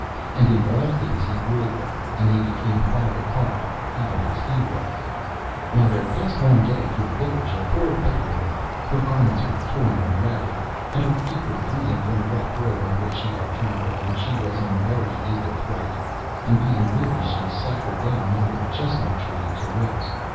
And in all things he ruled them, and they became hard of heart even as he was. Now there passed one day through the village a poor beggar woman. Her garments were torn and ragged, and her feet were bleeding from the rough road on which she had travelled, and she was in very evil plight. And being weary she sat her down under a chestnut tree to rest.